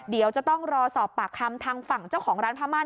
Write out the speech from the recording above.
เดี๋ยวจะต้องรอสอบปากคำทางฝั่งเจ้าของร้านพม่าน